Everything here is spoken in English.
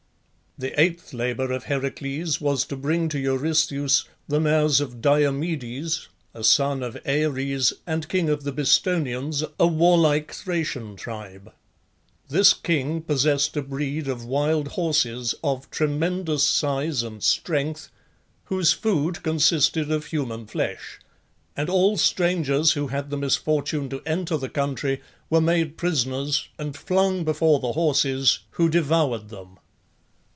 The eighth labour of Heracles was to bring to Eurystheus the mares of Diomedes, a son of Ares, and king of the Bistonians, a warlike Thracian tribe. This king possessed a breed of wild horses of tremendous size and strength, whose food consisted of human flesh, and all strangers who had the misfortune to enter the country were made prisoners and flung before the horses, who devoured them.